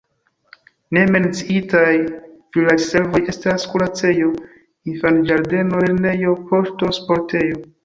Ne menciitaj vilaĝservoj estas kuracejo, infanĝardeno, lernejo, poŝto, sportejo.